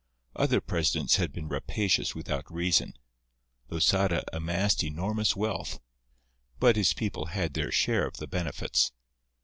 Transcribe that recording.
Other presidents had been rapacious without reason. Losada amassed enormous wealth, but his people had their share of the benefits.